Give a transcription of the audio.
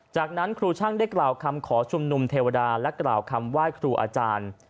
จากนั้นครูช่างได้กล่าวคำขอชุมนุมเทวดาและกล่าวคำไหว้ครูอาจารย์